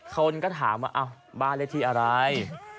คนก็ถามว่าบ้านเลขที่อะไร